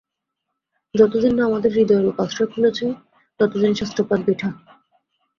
যতদিন না আমাদের হৃদয়-রূপ আশ্রয় খুলছে, ততদিন শাস্ত্রপাঠ বৃথা।